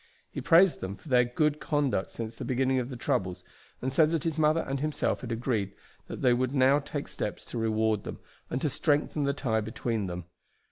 He praised them for their good conduct since the beginning of the troubles, and said that his mother and himself had agreed that they would now take steps to reward them, and to strengthen the tie between them.